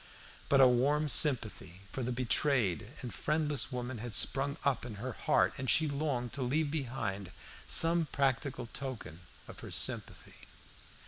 But a warm sympathy for the betrayed and friendless woman had sprung up in her heart, and she longed to leave behind some practical token of her sympathy.